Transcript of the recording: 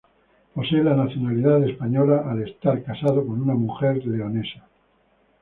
Posee la nacionalidad española, al estar casado con una mujer leonesa.